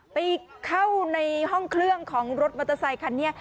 ไปเข้าในห้องเครื่องของรถมอเตอร์ไซคันนี้